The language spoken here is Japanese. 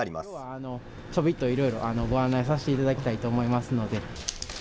きょうはちょびっといろいろご案内させていただきたいと思い